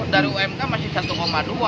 dari umk masih rp satu dua ratus